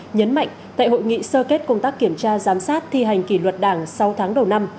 nhấn mạnh tại hội nghị sơ kết công tác kiểm tra giám sát thi hành kỷ luật đảng sáu tháng đầu năm